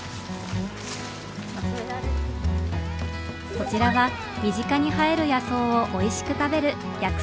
こちらは身近に生える野草をおいしく食べる甘い。